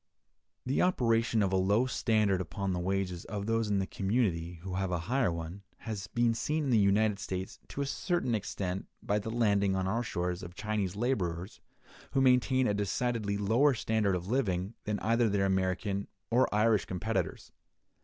The operation of a low standard upon the wages of those in the community who have a higher one, has been seen in the United States to a certain extent by the landing on our shores of Chinese laborers, who maintain a decidedly lower standard of living than either their American or Irish competitors.